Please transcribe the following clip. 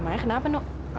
emangnya kenapa nu